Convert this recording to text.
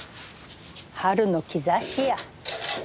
春の兆しや。